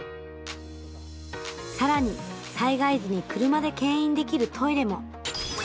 さらに、災害時に車でけん引できるトイレも。